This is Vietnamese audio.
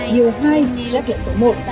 điều hai jack là số một